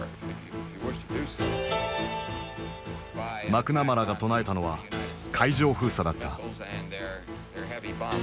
マクナマラが唱えたのは「海上封鎖」だった。